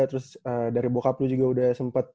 terus dari bokap lu juga udah sempet